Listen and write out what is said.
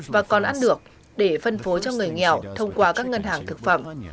và còn ăn được để phân phối cho người nghèo thông qua các ngân hàng thực phẩm